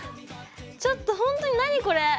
ちょっとほんとに何これ！